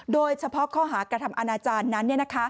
โดยเฉพาะข้อหากระทำอาณาจารย์นั้น